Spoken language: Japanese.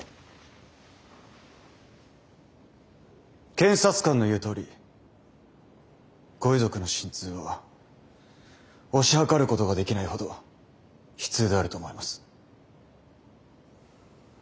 検察官の言うとおりご遺族の心痛は推し量ることができないほど悲痛であると思います。